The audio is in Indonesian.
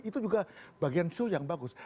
itu juga bagian show yang bagus